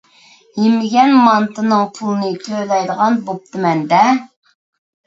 يېمىگەن مانتىنىڭ پۇلىنى تۆلەيدىغان بوپتىمەن-دە.